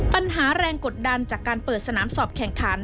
ปัญหาแรงกดดันจากการเปิดสนามสอบแข่งขัน